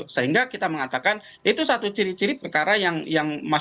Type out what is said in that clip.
sehingga kita mengatakan itu satu ciri ciri perkara yang masuk ke dalam hal ini